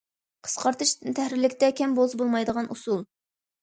قىسقارتىش تەھرىرلىكتە كەم بولسا بولمايدىغان ئۇسۇل.